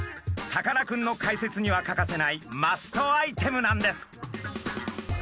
さかなクンの解説には欠かせないマストアイテムなんです。